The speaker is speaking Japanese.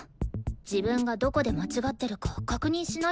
自分がどこで間違ってるか確認しないと。